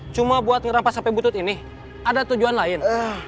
cuma buat ngerampas sampai butut ini ada tujuan lain